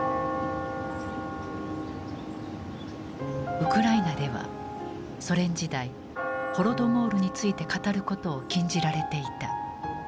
ウクライナではソ連時代ホロドモールについて語ることを禁じられていた。